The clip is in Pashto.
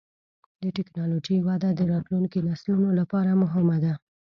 د ټکنالوجۍ وده د راتلونکي نسلونو لپاره مهمه ده.